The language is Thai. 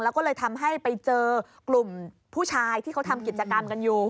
เป็นทางไปเจอกลุ่มผู้ชายที่เขาทำกิจกรรมกันอยู่